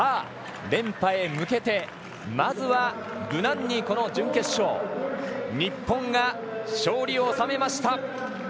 連覇へ向けて、まずは無難にこの準決勝日本が、勝利を収めました。